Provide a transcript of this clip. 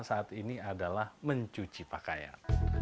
saat ini adalah mencuci pakaian